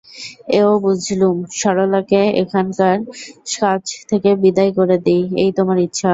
এও বুঝলুম, সরলাকে এখানকার কাজ থেকে বিদায় করে দিই, এই তোমার ইচ্ছা।